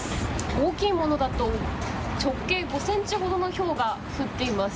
大きいものだと直径５センチほどのひょうが降っています。